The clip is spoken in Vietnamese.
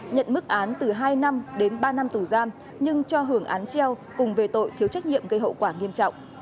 nhận mức án từ hai năm đến ba năm tù giam nhưng cho hưởng án treo cùng về tội thiếu trách nhiệm gây hậu quả nghiêm trọng